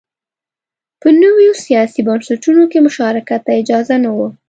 په نویو سیاسي بنسټونو کې مشارکت ته اجازه نه وه